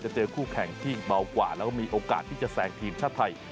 เจอคู่แข่งที่เบากว่าแล้วก็มีโอกาสที่จะแสงทีมชาติไทย